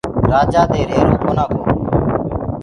رآجآ دي ريهرو ڪونآ گو